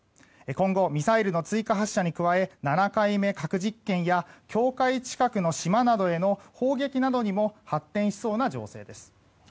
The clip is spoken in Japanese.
今後、ミサイルの追加発射に加え７回目の核実験や境界近くの島などへの砲撃などにも発展しそうな情勢です。